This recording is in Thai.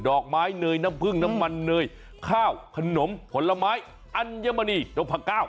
อกไม้เนยน้ำผึ้งน้ำมันเนยข้าวขนมผลไม้อัญมณีนพก้าว